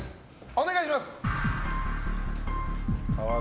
お願いします！